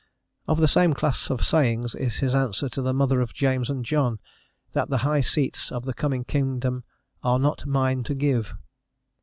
Of the same class of sayings is his answer to the mother of James and John, that the high seats of the coming kingdom "are not mine to give."